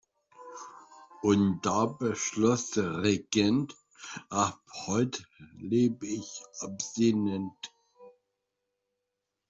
Und da beschloss der Regent: Ab heute lebe ich abstinent.